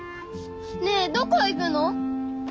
ねえどこ行くの！？